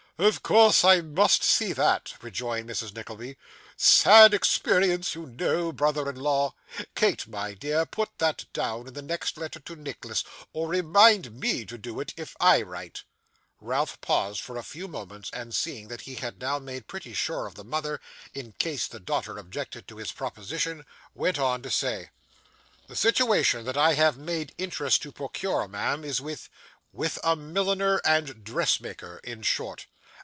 'Of course I must see that,' rejoined Mrs. Nickleby. 'Sad experience, you know, brother in law. Kate, my dear, put that down in the next letter to Nicholas, or remind me to do it if I write.' Ralph paused for a few moments, and seeing that he had now made pretty sure of the mother, in case the daughter objected to his proposition, went on to say: 'The situation that I have made interest to procure, ma'am, is with with a milliner and dressmaker, in short.